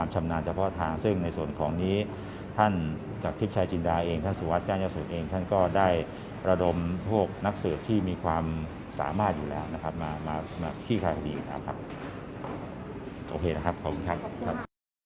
จะได้บัดลมพวกนักสืบที่มีความสามารถอยู่แล้วนะครับมาคี่คลายคดีนะครับโอเคนะครับขอบคุณครับ